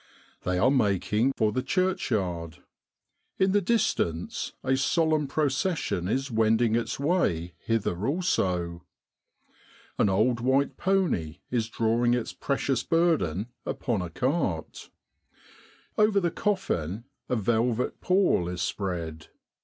They are making for the church yard. In the distance a solemn procession is wending its way hither also. An old white pony is drawing its precious burden upon a cart. Over the coffin a velvet pall is spread.